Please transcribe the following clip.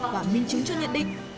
và minh chứng cho nhận định